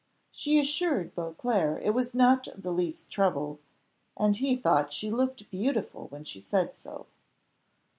She assured Beauclerc it was not the least trouble, and he thought she looked beautiful when she said so.